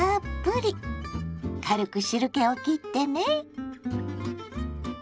軽く汁けをきってね。